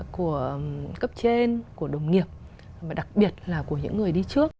của cấp trên của đồng nghiệp và đặc biệt là của những người đi trước